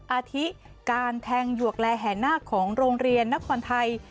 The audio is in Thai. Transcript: อาทิการแทงหยวกแลแห่นาคของโรงเรียนนครไทย